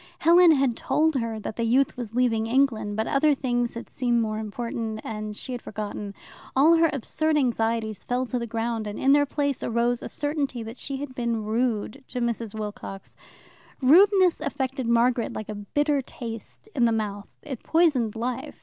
Helen had told her that the youth was leaving England, but other things had seemed more important, and she had forgotten. All her absurd anxieties fell to the ground, and in their place arose the certainty that she had been rude to Mrs. Wilcox. Rudeness affected Margaret like a bitter taste in the mouth. It poisoned life.